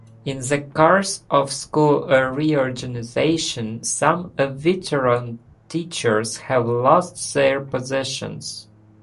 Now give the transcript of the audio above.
In the course of school reorganizations, some veteran teachers have lost their positions.